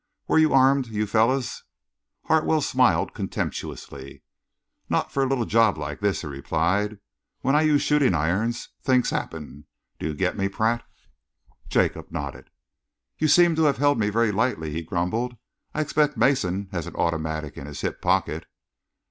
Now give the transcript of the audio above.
"Were you armed, you fellows?" Hartwell smiled contemptuously. "Not for a little job like this," he replied. "When I use shooting irons, things happen. Do you get me, Pratt?" Jacob nodded. "You seem to have held me very lightly," he grumbled. "I expect Mason has an automatic in his hip pocket."